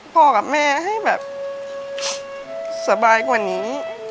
กับแม่ให้แบบสบายกว่านี้